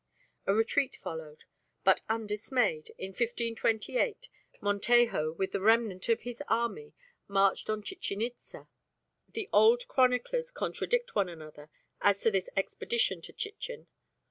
A retreat followed; but, undismayed, in 1528 Montejo with the remnant of his army marched on Chichen Itza. The old chroniclers contradict one another as to this expedition to Chichen.